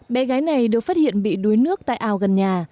bé gái này được phát hiện bị đuối nước tại ao gần nhà